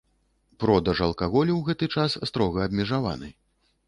Продаж алкаголю ў гэты час строга абмежаваны.